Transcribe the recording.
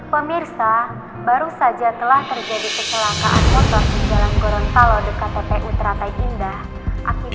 pemirsa baru saja telah terjadi kecelakaan motor di jalan gorontalo dekat tpu teratai indah